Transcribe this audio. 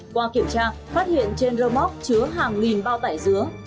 qua kiểm tra phát hiện trên rơ móc chứa hàng nghìn bao tải dứa